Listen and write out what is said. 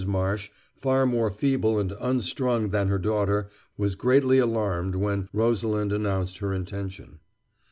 Marsh, far more feeble and unstrung than her daughter, was greatly alarmed when Rosalind announced her intention.